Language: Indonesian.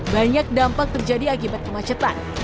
banyak dampak terjadi akibat kemacetan